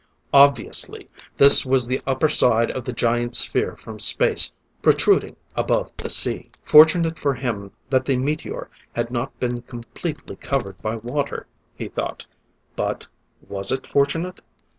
Obviously, this was the upper side of the great sphere from space, protruding above the sea. Fortunate for him that the meteor had not been completely covered by water, he thought but was it fortunate?